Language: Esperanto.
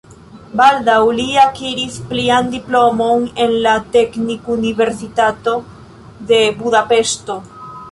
Baldaŭ li akiris plian diplomon en la Teknikuniversitato de Budapeŝto.